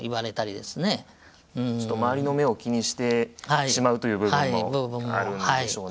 ちょっと周りの目を気にしてしまうという部分もあるんでしょうね